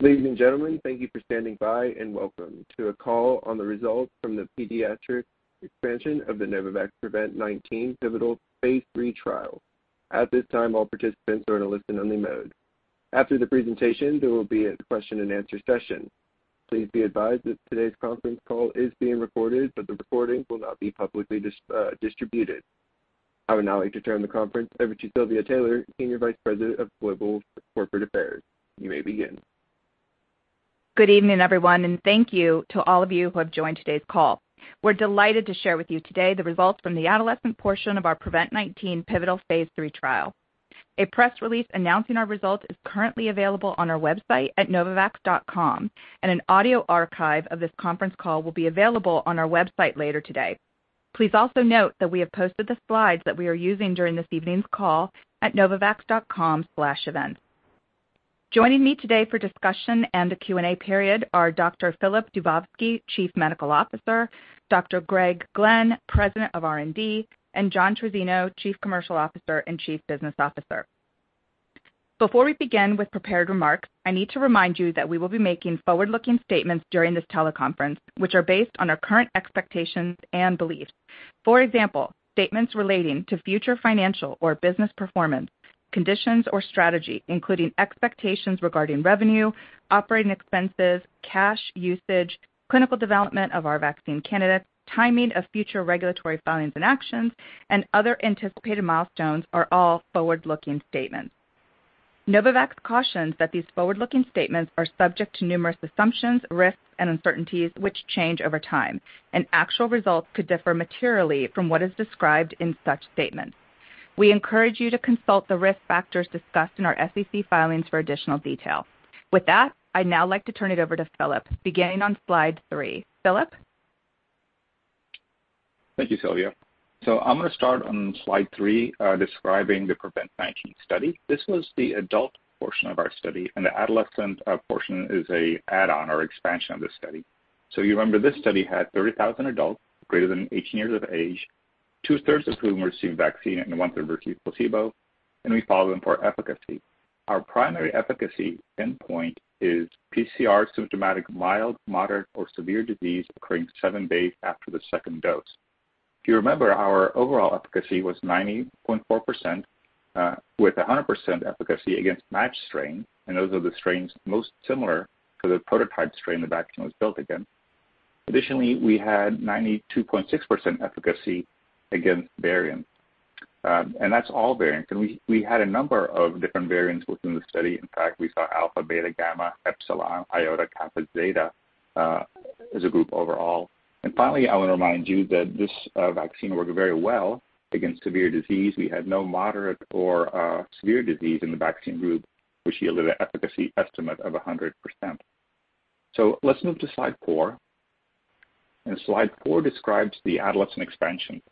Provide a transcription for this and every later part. Ladies and gentlemen, thank you for standing by and welcome to a call on the results from the pediatric expansion of the Novavax PREVENT-19 pivotal phase III trial. At this time, all participants are in a listen-only mode. After the presentation, there will be a question-and-answer session. Please be advised that today's conference call is being recorded, but the recording will not be publicly distributed. I would now like to turn the conference over to Silvia Taylor, Senior Vice President of Global Corporate Affairs. You may begin. Good evening, everyone, and thank you to all of you who have joined today's call. We're delighted to share with you today the results from the adolescent portion of our PREVENT-19 pivotal phase III trial. A press release announcing our results is currently available on our website at novavax.com, and an audio archive of this conference call will be available on our website later today. Please also note that we have posted the slides that we are using during this evening's call at novavax.com/events. Joining me today for discussion and a Q&A period are Dr. Filip Dubovsky, Chief Medical Officer, Dr. Greg Glenn, President of R&D, and John Trizzino, Chief Commercial Officer and Chief Business Officer. Before we begin with prepared remarks, I need to remind you that we will be making forward-looking statements during this teleconference, which are based on our current expectations and beliefs. For example, statements relating to future financial or business performance, conditions or strategy, including expectations regarding revenue, operating expenses, cash usage, clinical development of our vaccine candidates, timing of future regulatory filings and actions, and other anticipated milestones are all forward-looking statements. Novavax cautions that these forward-looking statements are subject to numerous assumptions, risks and uncertainties, which change over time, and actual results could differ materially from what is described in such statements. We encourage you to consult the risk factors discussed in our SEC filings for additional detail. With that, I'd now like to turn it over to Filip, beginning on slide three. Filip? Thank you, Silvia. I'm going to start on slide 3, describing the PREVENT-19 study. This was the adult portion of our study, and the adolescent portion is an add-on or expansion of this study. You remember this study had 30,000 adults greater than 18 years of age, two-thirds of whom received vaccine and one-third received placebo, and we follow them for efficacy. Our primary efficacy endpoint is PCR symptomatic mild, moderate, or severe disease occurring 7 days after the second dose. If you remember, our overall efficacy was 90.4%, with 100% efficacy against matched strain, and those are the strains most similar to the prototype strain the vaccine was built against. Additionally, we had 92.6% efficacy against variants, and that's all variants. We had a number of different variants within the study. In fact, we saw Alpha, Beta, Gamma, Epsilon, Iota, Kappa, Zeta as a group overall. Finally, I want to remind you that this vaccine worked very well against severe disease. We had no moderate or severe disease in the vaccine group, which yielded an efficacy estimate of 100%. Let's move to slide four. Slide four describes the adolescent expansion.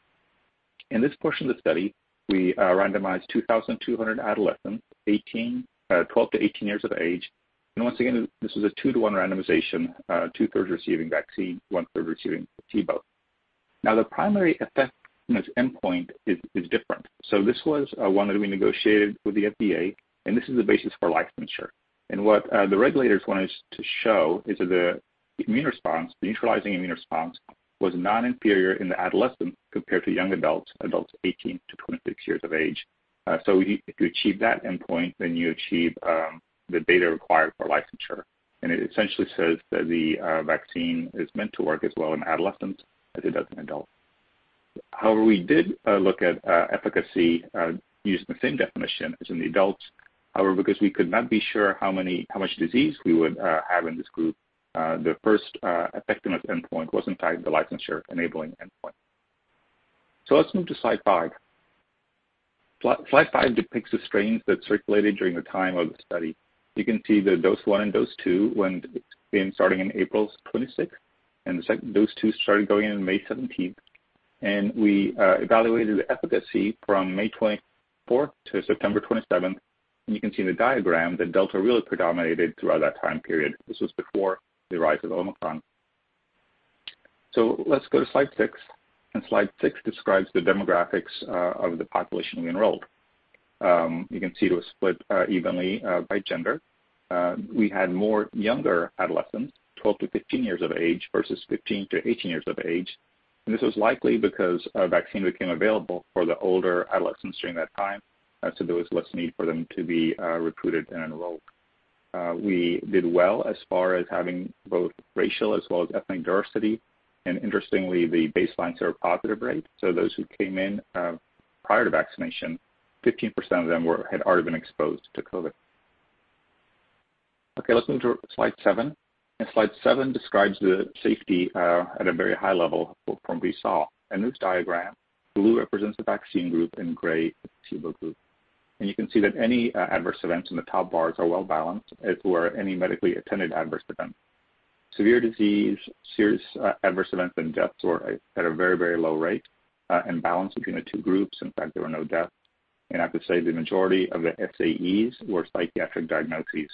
In this portion of the study, we randomized 2,200 adolescents 12 to 18 years of age. Once again, this is a 2-to-1 randomization, 2/3 receiving vaccine, 1/3 receiving placebo. Now, the primary effectiveness endpoint is different. This was one that we negotiated with the FDA, and this is the basis for licensure. What the regulators want us to show is that the immune response, the neutralizing immune response, was non-inferior in the adolescent compared to young adults 18 to 26 years of age. If you achieve that endpoint, then you achieve the data required for licensure. It essentially says that the vaccine is meant to work as well in adolescents as it does in adults. However, we did look at efficacy using the same definition as in the adults. However, because we could not be sure how much disease we would have in this group, the first effectiveness endpoint was in fact the licensure-enabling endpoint. Let's move to slide 5. Slide 5 depicts the strains that circulated during the time of the study. You can see that dose one and dose two went in starting in April twenty-sixth, and dose two started going in May seventeenth. We evaluated efficacy from May twenty-fourth to September twenty-seventh. You can see in the diagram that Delta really predominated throughout that time period. This was before the rise of Omicron. Let's go to slide 6. Slide 6 describes the demographics of the population we enrolled. You can see it was split evenly by gender. We had more younger adolescents, 12-15 years of age versus 15-18 years of age. This was likely because a vaccine became available for the older adolescents during that time, so there was less need for them to be recruited and enrolled. We did well as far as having both racial as well as ethnic diversity. Interestingly, the baseline seropositive rate, so those who came in prior to vaccination, 15% of them had already been exposed to COVID. Okay, let's move to slide seven. Slide seven describes the safety at a very high level from what we saw. In this diagram, blue represents the vaccine group and gray the placebo group. You can see that any adverse events in the top bars are well-balanced as were any medically attended adverse events. Severe disease, serious adverse events, and deaths were at a very, very low rate and balanced between the two groups. In fact, there were no deaths. I could say the majority of the SAEs were psychiatric diagnoses,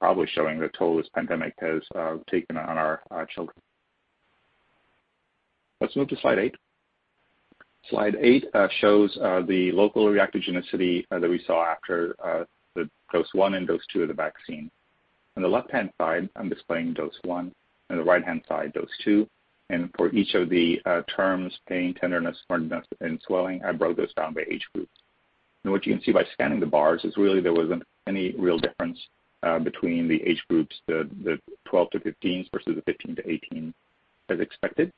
probably showing the toll this pandemic has taken on our children. Let's move to slide eight. Slide eight shows the local reactogenicity that we saw after the dose one and dose two of the vaccine. On the left-hand side, I'm displaying dose one, on the right-hand side, dose two. For each of the terms pain, tenderness, redness, and swelling, I broke those down by age groups. What you can see by scanning the bars is really there wasn't any real difference between the age groups, the 12 to 15s versus the 15 to 18 as expected.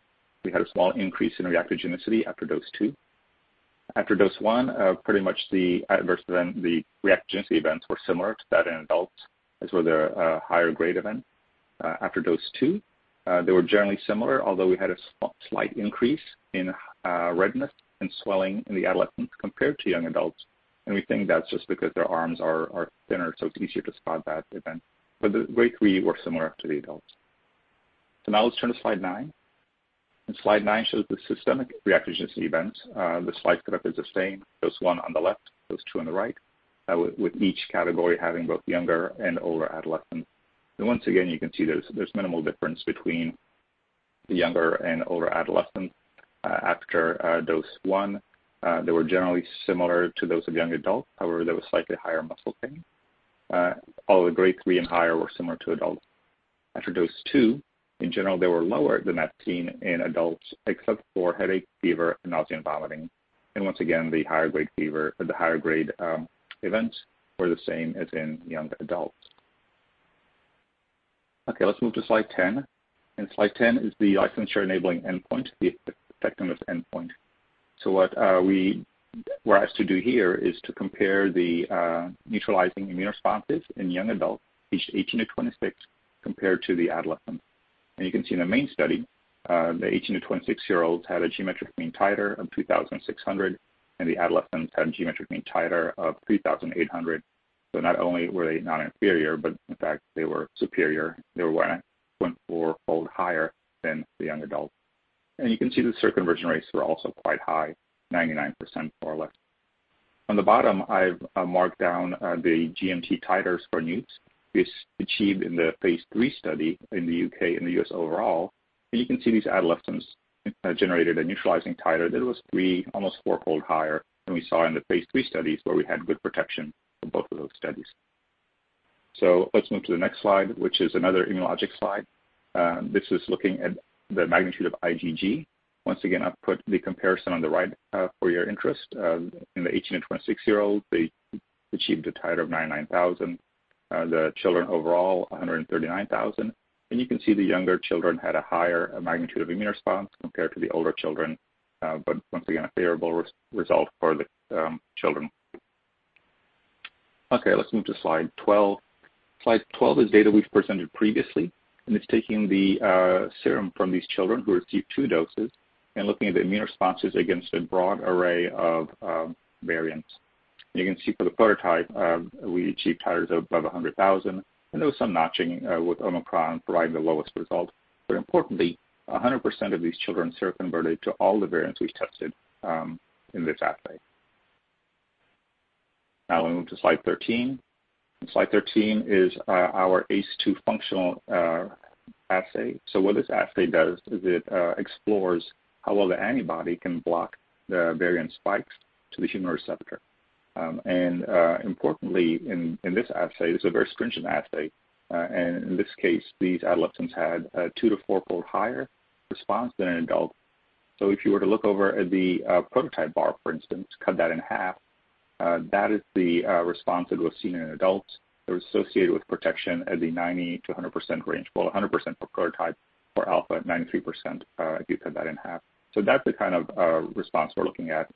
We had a small increase in reactogenicity after dose two. After dose one, pretty much the adverse event, the reactogenicity events were similar to that in adults as were the higher grade event. After dose two, they were generally similar, although we had a slight increase in redness and swelling in the adolescents compared to young adults, and we think that's just because their arms are thinner, so it's easier to spot that event. The grade three were similar to the adults. Now let's turn to slide nine. Slide nine shows the systemic reactogenicity events. The slide setup is the same, dose one on the left, dose two on the right, with each category having both younger and older adolescents. Once again, you can see there's minimal difference between the younger and older adolescents. After dose one, they were generally similar to those of young adults. However, there was slightly higher muscle pain. All the grade 3 and higher were similar to adults. After dose two, in general, they were lower than that seen in adults, except for headache, fever, nausea, and vomiting. Once again, the higher-grade fever or the higher-grade events were the same as in young adults. Okay, let's move to slide 10. Slide 10 is the licensure enabling endpoint, the effectiveness endpoint. What we were asked to do here is to compare the neutralizing immune responses in young adults aged 18 to 26 compared to the adolescents. You can see in the main study, the 18-26-year-olds had a geometric mean titer of 2,600, and the adolescents had a geometric mean titer of 3,800. Not only were they not inferior, but in fact, they were superior. They were 1.4-fold higher than the young adults. You can see the seroconversion rates were also quite high, 99% more or less. On the bottom, I've marked down the GMT titers for neuts achieved in the phase III study in the U.K. and the U.S. overall. You can see these adolescents generated a neutralizing titer that was 3, almost 4-fold higher than we saw in the phase III studies where we had good protection for both of those studies. Let's move to the next slide, which is another immunologic slide. This is looking at the magnitude of IgG. Once again, I've put the comparison on the right for your interest. In the 18-26-year-olds, they achieved a titer of 99,000. The children overall, 139,000. You can see the younger children had a higher magnitude of immune response compared to the older children, but once again, a favorable result for the children. Okay, let's move to slide 12. Slide 12 is data we've presented previously, and it's taking the serum from these children who received 2 doses and looking at the immune responses against a broad array of variants. You can see for the prototype, we achieved titers of above 100,000, and there was some notching with Omicron providing the lowest result. Importantly, 100% of these children seroconverted to all the variants we've tested in this assay. Now we move to slide 13. Slide 13 is our ACE-2 functional assay. What this assay does is it explores how well the antibody can block the variant spikes to the human receptor. Importantly in this assay, this is a very stringent assay. In this case, these adolescents had a 2- to 4-fold higher response than an adult. If you were to look over at the prototype bar, for instance, cut that in half, that is the response that was seen in adults that was associated with protection at the 90%-100% range. 100% for prototype. For Alpha, 93%, if you cut that in half. That's the kind of response we're looking at,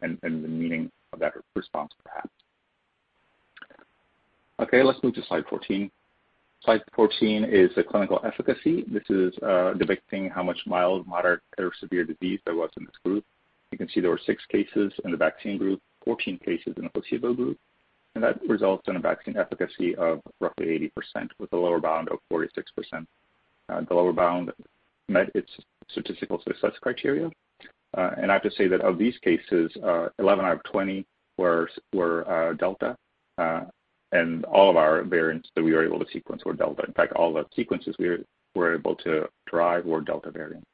and the meaning of that response perhaps. Okay, let's move to slide 14. Slide 14 is the clinical efficacy. This is depicting how much mild, moderate, or severe disease there was in this group. You can see there were six cases in the vaccine group, 14 cases in the placebo group, and that results in a vaccine efficacy of roughly 80% with a lower bound of 46%. The lower bound met its statistical success criteria. I have to say that of these cases, 11 out of 20 were Delta, and all of our variants that we were able to sequence were Delta. In fact, all the sequences we were able to derive were Delta variant.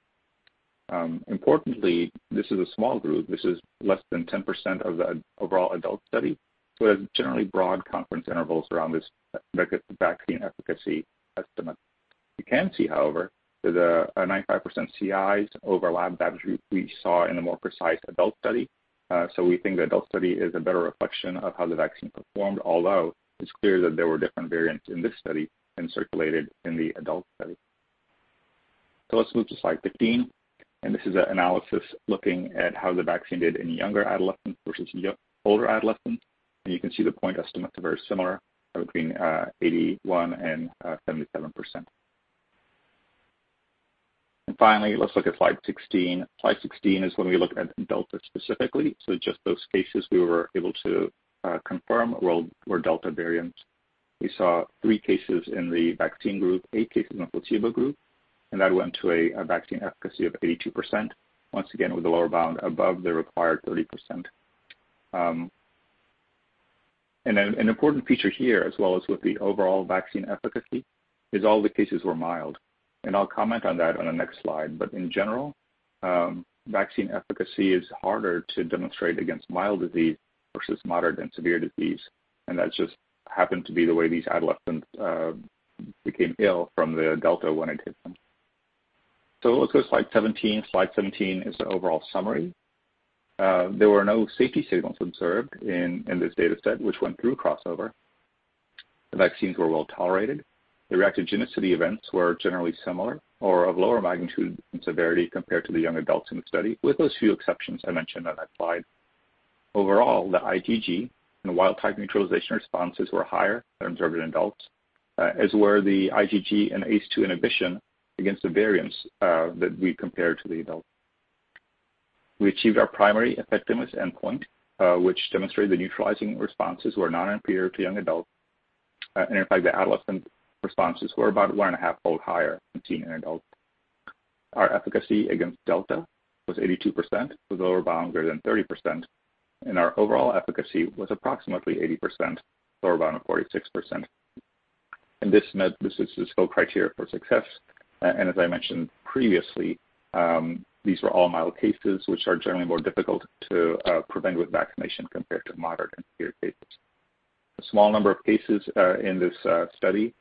Importantly, this is a small group. This is less than 10% of the overall adult study, so it has generally broad confidence intervals around this vaccine efficacy estimate. You can see, however, that 95% CIs overlap that we saw in the more precise adult study. We think the adult study is a better reflection of how the vaccine performed, although it's clear that there were different variants in this study than circulated in the adult study. Let's move to slide 15, and this is an analysis looking at how the vaccine did in younger adolescents versus older adolescents. You can see the point estimates are very similar between 81 and 77%. Finally, let's look at slide 16. Slide 16 is when we look at Delta specifically, so just those cases we were able to confirm were Delta variants. We saw 3 cases in the vaccine group, 8 cases in the placebo group, and that went to a vaccine efficacy of 82%, once again, with the lower bound above the required 30%. Then an important feature here, as well as with the overall vaccine efficacy, is all the cases were mild, and I'll comment on that on the next slide. In general, vaccine efficacy is harder to demonstrate against mild disease versus moderate and severe disease. That just happened to be the way these adolescents became ill from the Delta when it hit them. Let's go to slide 17. Slide 17 is the overall summary. There were no safety signals observed in this data set, which went through crossover. The vaccines were well-tolerated. The reactogenicity events were generally similar or of lower magnitude and severity compared to the young adults in the study, with those few exceptions I mentioned on that slide. Overall, the IgG and wild type neutralization responses were higher than observed in adults, as were the IgG and ACE2 inhibition against the variants that we compare to the adult. We achieved our primary effectiveness endpoint, which demonstrated the neutralizing responses were non-inferior to young adults. And in fact, the adolescent responses were about 1.5-fold higher than seen in adults. Our efficacy against Delta was 82%, with lower bound greater than 30%, and our overall efficacy was approximately 80%, lower bound of 46%. This is the full criteria for success. As I mentioned previously, these were all mild cases, which are generally more difficult to prevent with vaccination compared to moderate and severe cases. A small number of cases in this study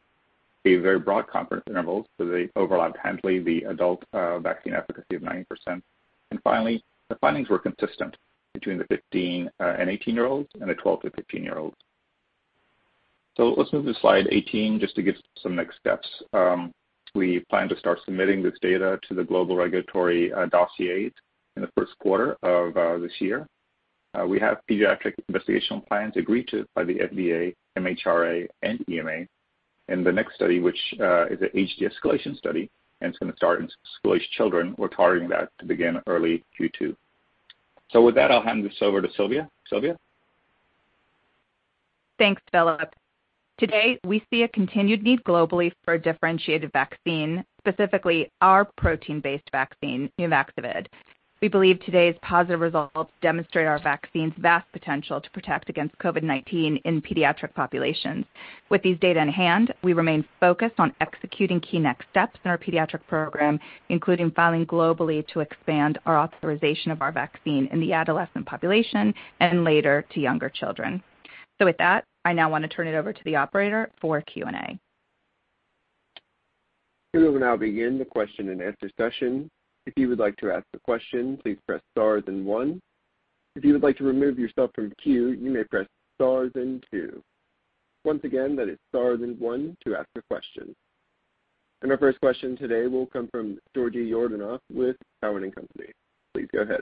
have very broad confidence intervals, so they overlap handily the adult vaccine efficacy of 90%. Finally, the findings were consistent between the 15 and 18-year-olds and the 12 to 15-year-olds. Let's move to slide 18 just to give some next steps. We plan to start submitting this data to the global regulatory dossiers in the first quarter of this year. We have pediatric investigational plans agreed to by the FDA, MHRA, and EMA. The next study, which is an age de-escalation study, and it's gonna start in school-aged children. We're targeting that to begin early Q2. With that, I'll hand this over to Silvia. Silvia? Thanks, Filip. Today, we see a continued need globally for a differentiated vaccine, specifically our protein-based vaccine, Nuvaxovid. We believe today's positive results demonstrate our vaccine's vast potential to protect against COVID-19 in pediatric populations. With these data in hand, we remain focused on executing key next steps in our pediatric program, including filing globally to expand our authorization of our vaccine in the adolescent population and later to younger children. With that, I now wanna turn it over to the operator for Q&A. We will now begin the question-and-answer session. If you would like to ask a question, please press star one. If you would like to remove yourself from the queue, you may press star two. Once again, that is star one to ask a question. Our first question today will come from Georgi Yordanov with Cowen and Company. Please go ahead.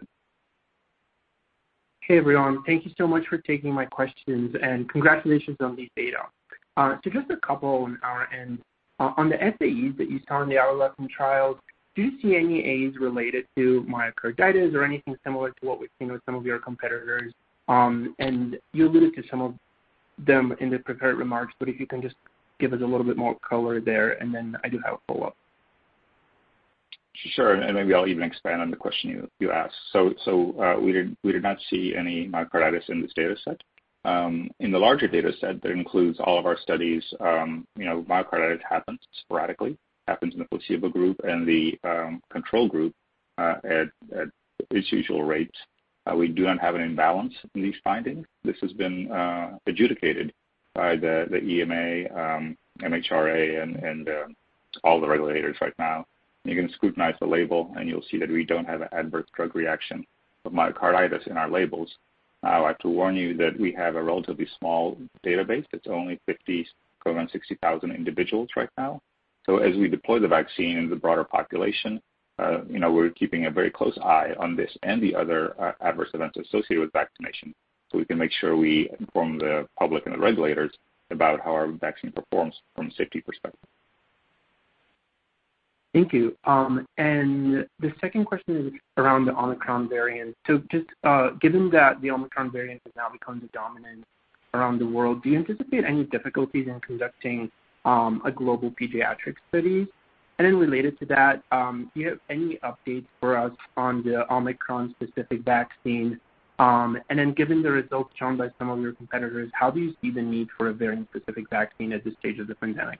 Hey, everyone. Thank you so much for taking my questions, and congratulations on these data. Just a couple on our end. On the SAEs that you saw in the adolescent trials, do you see any AEs related to myocarditis or anything similar to what we've seen with some of your competitors? You alluded to some of them in the prepared remarks, but if you can just give us a little bit more color there, and then I do have a follow-up. Sure, maybe I'll even expand on the question you asked. We did not see any myocarditis in this data set. In the larger data set that includes all of our studies, you know, myocarditis happens sporadically in the placebo group and the control group at its usual rate. We do not have an imbalance in these findings. This has been adjudicated by the EMA, MHRA, and all the regulators right now. You can scrutinize the label, and you'll see that we don't have an adverse drug reaction of myocarditis in our labels. I would like to warn you that we have a relatively small database. It's only 50-60,000 individuals right now. As we deploy the vaccine in the broader population, you know, we're keeping a very close eye on this and the other adverse events associated with vaccination, so we can make sure we inform the public and the regulators about how our vaccine performs from safety perspective. Thank you. The second question is around the Omicron variant. Given that the Omicron variant has now become the dominant around the world, do you anticipate any difficulties in conducting a global pediatric study? Related to that, do you have any updates for us on the Omicron-specific vaccine? Given the results shown by some of your competitors, how do you see the need for a variant-specific vaccine at this stage of the pandemic?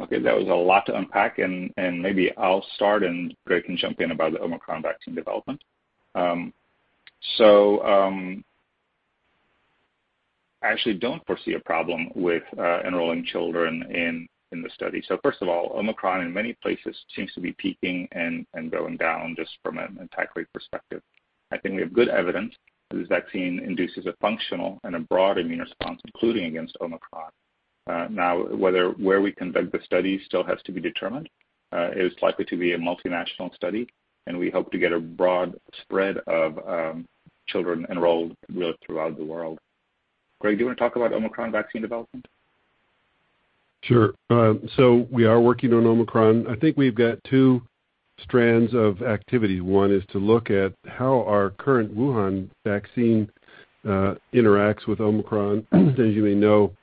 Okay, that was a lot to unpack, and maybe I'll start, and Greg can jump in about the Omicron vaccine development. I actually don't foresee a problem with enrolling children in the study. First of all, Omicron in many places seems to be peaking and going down just from an attack rate perspective. I think we have good evidence that this vaccine induces a functional and a broad immune response, including against Omicron. Now, whether where we conduct the study still has to be determined. It is likely to be a multinational study, and we hope to get a broad spread of children enrolled really throughout the world. Greg, do you wanna talk about Omicron vaccine development? Sure. We are working on Omicron. I think we've got two strands of activity. One is to look at how our current Wuhan vaccine interacts with Omicron. As you may know,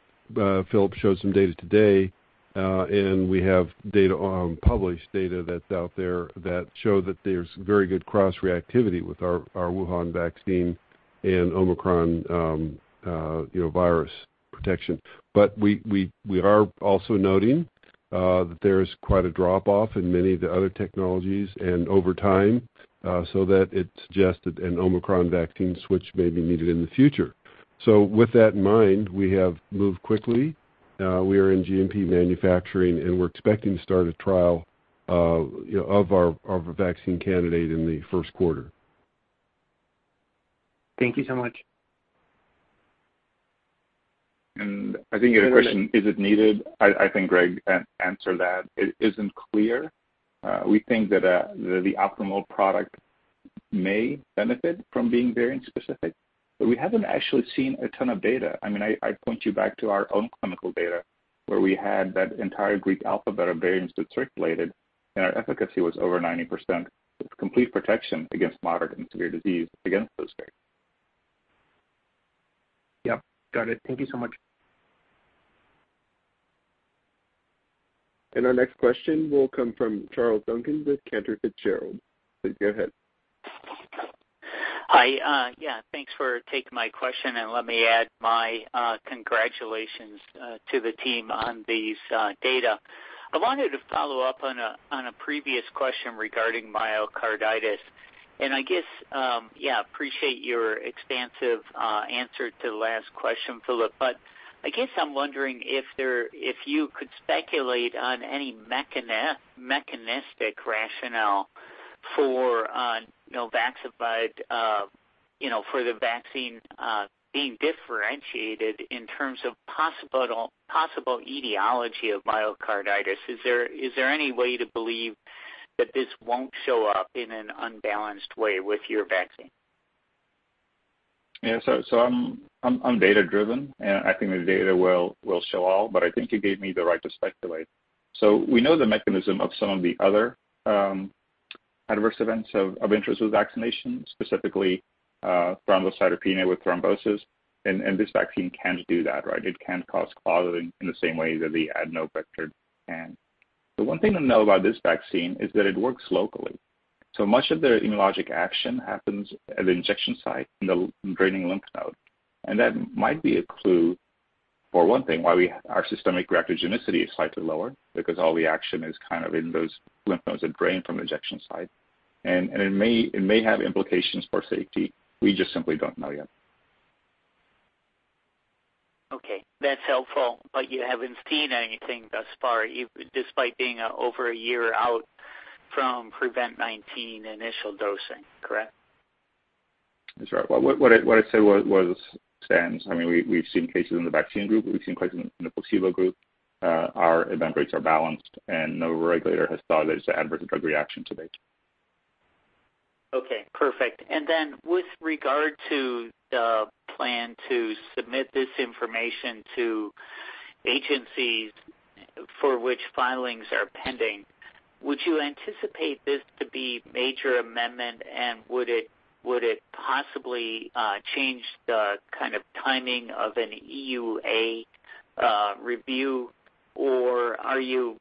Filip showed some data today, and we have published data that's out there that show that there's very good cross-reactivity with our Wuhan vaccine and Omicron, virus protection. We are also noting that there's quite a drop-off in many of the other technologies and over time, so that it's suggested an Omicron vaccine switch may be needed in the future. With that in mind, we have moved quickly. We are in GMP manufacturing, and we're expecting to start a trial, you know, of our vaccine candidate in the first quarter. Thank you so much. I think your question, is it needed? I think Greg answered that. It isn't clear. We think that the optimal product may benefit from being variant specific, but we haven't actually seen a ton of data. I mean, I point you back to our own clinical data where we had that entire Greek alphabet of variants that circulated, and our efficacy was over 90% with complete protection against moderate and severe disease against those variants. Yep, got it. Thank you so much. Our next question will come from Charles Duncan with Cantor Fitzgerald. Please go ahead. Hi. Yeah, thanks for taking my question, and let me add my congratulations to the team on these data. I wanted to follow up on a previous question regarding myocarditis. I guess I appreciate your expansive answer to the last question, Filip, but I guess I'm wondering if you could speculate on any mechanistic rationale for Nuvaxovid, for the vaccine, being differentiated in terms of possible etiology of myocarditis. Is there any way to believe that this won't show up in an unbalanced way with your vaccine? Yeah. I'm data-driven, and I think the data will show all, but I think you gave me the right to speculate. We know the mechanism of some of the other adverse events of interest with vaccination, specifically thrombocytopenia with thrombosis, and this vaccine can do that, right? It can cause clotting in the same way that the adenovirus-vectored can. The one thing to know about this vaccine is that it works locally. Much of the immunologic action happens at the injection site in the draining lymph node. That might be a clue for one thing, why our systemic reactogenicity is slightly lower because all the action is kind of in those lymph nodes that drain from injection site. It may have implications for safety. We just simply don't know yet. Okay. That's helpful. You haven't seen anything thus far, despite being over a year out from PREVENT-19 initial dosing, correct? That's right. Well, what I'd say is, it stands. I mean, we've seen cases in the vaccine group. We've seen cases in the placebo group. Our event rates are balanced, and no regulator has thought it as an adverse drug reaction to date. Okay, perfect. Then with regard to the plan to submit this information to agencies for which filings are pending, would you anticipate this to be major amendment, and would it possibly change the kind of timing of an EUA review? Or are you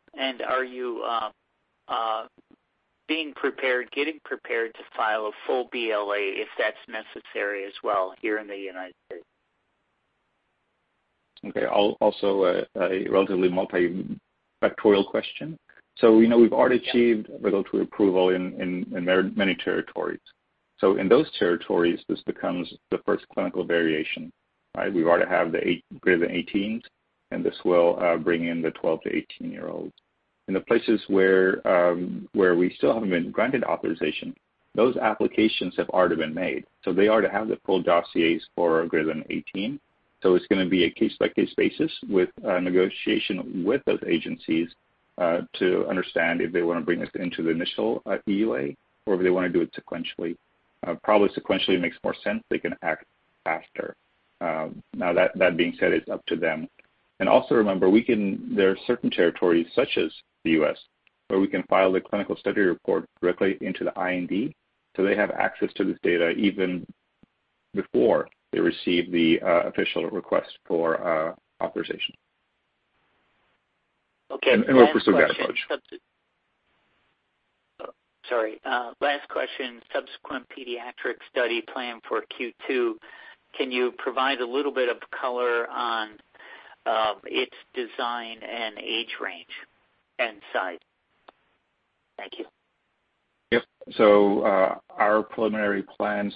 being prepared, getting prepared to file a full BLA if that's necessary as well here in the United States? Also a relatively multifactorial question. We know we've already achieved regulatory approval in many territories. In those territories, this becomes the first clinical variation, right? We already have greater than 18s, and this will bring in the 12- to 18-year-olds. In the places where we still haven't been granted authorization, those applications have already been made. They already have the full dossiers for greater than 18. It's gonna be a case-by-case basis with negotiation with those agencies to understand if they wanna bring us into the initial EUA or if they wanna do it sequentially. Probably sequentially makes more sense. They can act faster. Now that being said, it's up to them. Also remember, we can There are certain territories such as the U.S., where we can file the clinical study report directly into the IND, so they have access to this data even before they receive the official request for authorization. Okay. We're pursuing that approach. Last question, subsequent pediatric study plan for Q2. Can you provide a little bit of color on its design and age range and size? Thank you. Yep. Our preliminary plans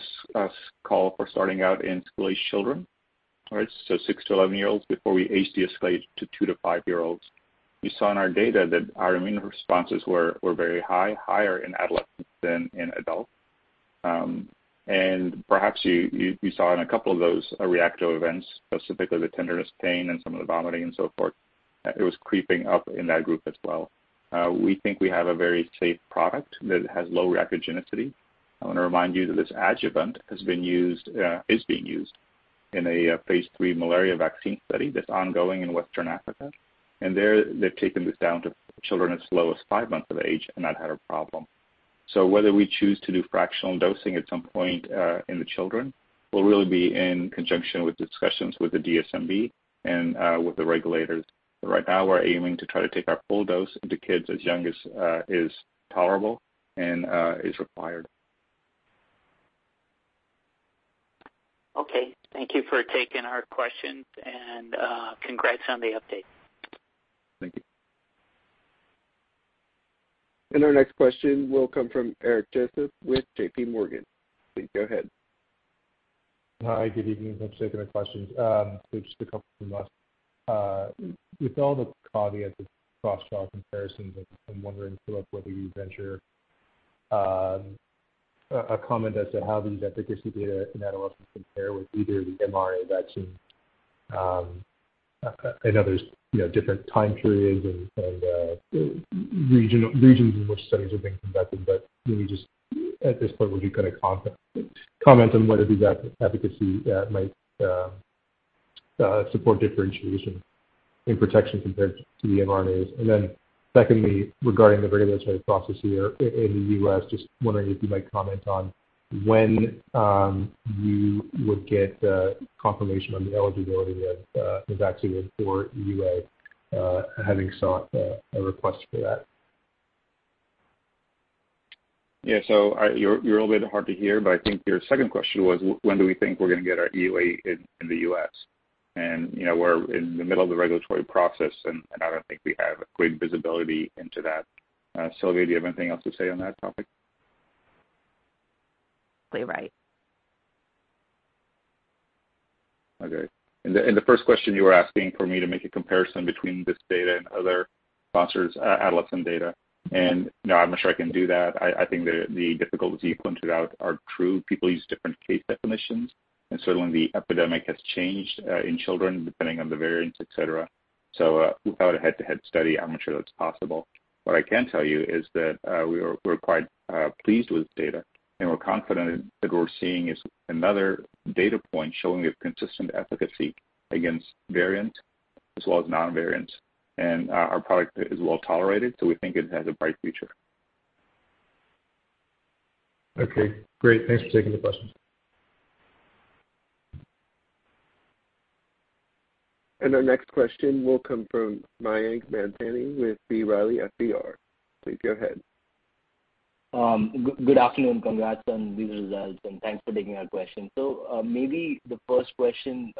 call for starting out in school-aged children. All right? 6-11-year-olds before we age deescalate to 2-5-year-olds. We saw in our data that our immune responses were very high, higher in adolescents than in adults. Perhaps you saw in a couple of those reactive events, specifically the tenderness, pain and some of the vomiting and so forth, it was creeping up in that group as well. We think we have a very safe product that has low reactogenicity. I wanna remind you that this adjuvant has been used, is being used in a phase III malaria vaccine study that's ongoing in West Africa. There, they've taken this down to children as low as five months of age and not had a problem. Whether we choose to do fractional dosing at some point in the children will really be in conjunction with discussions with the DSMB and with the regulators. Right now, we're aiming to try to take our full dose into kids as young as is tolerable and is required. Okay. Thank you for taking our questions and congrats on the update. Thank you. Our next question will come from Eric Joseph with J.P. Morgan. Please go ahead. Hi. Good evening. Thanks for taking my questions. Just a couple from us. With all the caveats of cross-trial comparisons, I'm wondering sort of whether you'd venture a comment as to how these efficacy data in adolescents compare with either the mRNA vaccine. I know there's, you know, different time periods and regions in which studies are being conducted, but can you just at this point, would you comment on whether these efficacy might support differentiation in protection compared to the mRNAs? Secondly, regarding the regulatory process here in the U.S., just wondering if you might comment on when you would get confirmation on the eligibility of the vaccine for EUA, having sought a request for that. Yeah. You're a little bit hard to hear, but I think your second question was when do we think we're gonna get our EUA in the U.S.? You know, we're in the middle of the regulatory process and I don't think we have great visibility into that. Silvia, do you have anything else to say on that topic? Right. Okay. The first question you were asking for me to make a comparison between this data and other sponsors, adolescent data, and, you know, I'm not sure I can do that. I think the difficulties you pointed out are true. People use different case definitions, and certainly the epidemic has changed in children depending on the variants, et cetera. Without a head-to-head study, I'm not sure that's possible. What I can tell you is that, we are-- we're quite pleased with the data, and we're confident that what we're seeing is another data point showing a consistent efficacy against variant as well as non-variants. Our product is well tolerated, so we think it has a bright future. Okay, great. Thanks for taking the question. Our next question will come from Mayank Mamtani with B. Riley Securities. Please go ahead. Good afternoon. Congrats on these results, and thanks for taking our question. Maybe the first question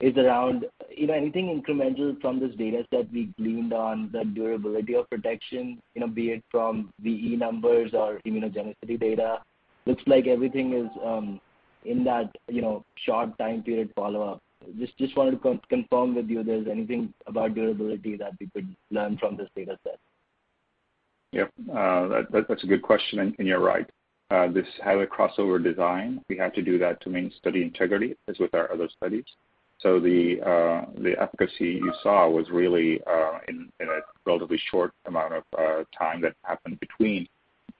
is around, anything incremental from this data set we gleaned on the durability of protection, be it from VE numbers or immunogenicity data. Looks like everything is in that, short time period follow-up. Just wanted to confirm with you if there's anything about durability that we could learn from this data set. Yeah. That's a good question, and you're right. This had a crossover design. We had to do that to maintain study integrity as with our other studies. The efficacy you saw was really in a relatively short amount of time that happened between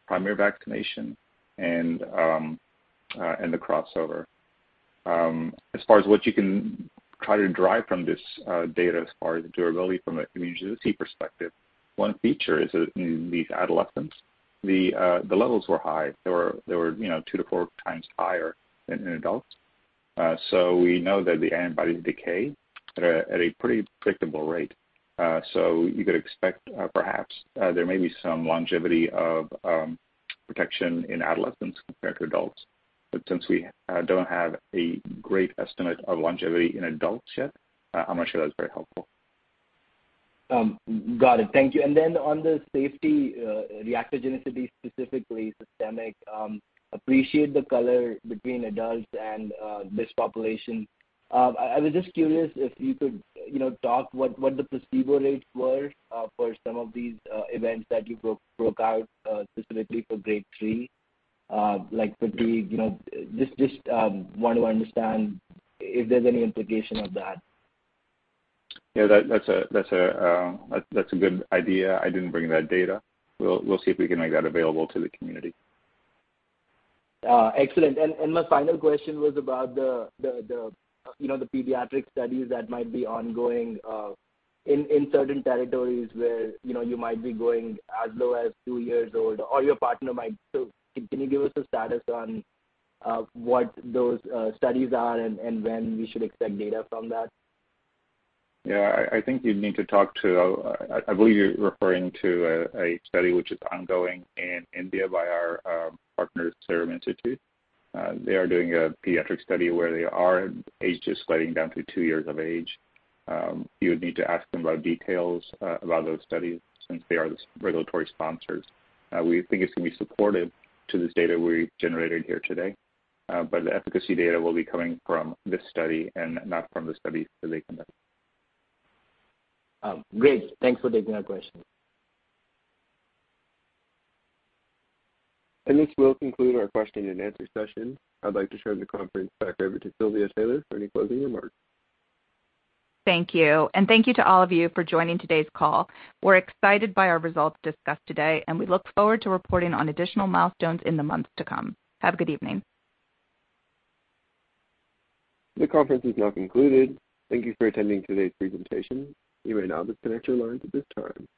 primary vaccination and the crossover. As far as what you can try to derive from this data as far as the durability from a immunogenicity perspective, one feature is that in these adolescents, the levels were high. They were, 2-4 times higher than in adults. We know that the antibodies decay at a pretty predictable rate. You could expect, perhaps, there may be some longevity of protection in adolescents compared to adults. Since we don't have a great estimate of longevity in adults yet, I'm not sure that's very helpful. Got it. Thank you. On the safety, reactogenicity, specifically systemic, I appreciate the color between adults and this population. I was just curious if you could, you know, talk about what the placebo rates were for some of these events that you broke out, specifically for grade 3, like could we. Just want to understand if there's any implication of that. Yeah, that's a good idea. I didn't bring that data. We'll see if we can make that available to the community. Excellent. My final question was about the you know the pediatric studies that might be ongoing in certain territories where, you might be going as low as two years old or your partner might. Can you give us a status on what those studies are and when we should expect data from that? Yeah. I think you'd need to talk to. I believe you're referring to a study which is ongoing in India by our partners, Serum Institute. They are doing a pediatric study where the ages are sliding down to two years of age. You would need to ask them about details about those studies since they are the regulatory sponsors. We think it's going to be supportive to this data we've generated here today. The efficacy data will be coming from this study and not from the study that they conduct. Great. Thanks for taking our question. This will conclude our question and answer session. I'd like to turn the conference back over to Silvia Taylor for any closing remarks. Thank you. Thank you to all of you for joining today's call. We're excited by our results discussed today, and we look forward to reporting on additional milestones in the months to come. Have a good evening. The conference is now concluded. Thank you for attending today's presentation. You may now disconnect your lines at this time.